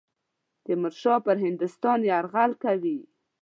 تیمورشاه پر هندوستان یرغل کوي.